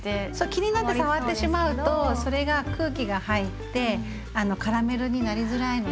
気になって触ってしまうとそれが空気が入ってカラメルになりづらいので触らずに。